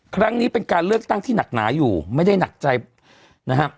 ครั้งนี้เป็นการเลือกตั้งที่หนักหนาอยู่ไม่ได้หนักใจนะครับ